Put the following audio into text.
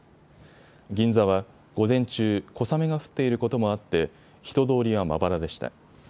銀座は午前中、小雨が降っていることもあって人通りはまばらでした。